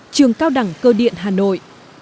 trường cao đẳng cơ điện hà nội